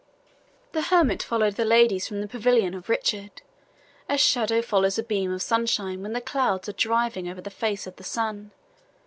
The hermit followed the ladies from the pavilion of Richard, as shadow follows a beam of sunshine when the clouds are driving over the face of the sun.